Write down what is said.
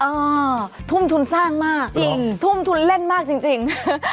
ทุ่มทุนสร้างมากจริงทุ่มทุนเล่นมากจริง